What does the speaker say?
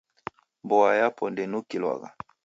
Mboa yapo ndeinukilwagha.